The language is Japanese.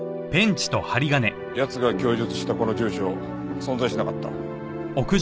奴が供述したこの住所存在しなかった。